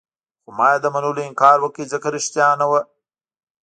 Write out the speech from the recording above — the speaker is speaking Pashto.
خو ما يې له منلو انکار وکړ، ځکه ريښتیا نه وو.